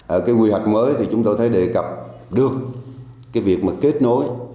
ở cái quy hoạch mới thì chúng tôi thấy đề cập được cái việc mà kết nối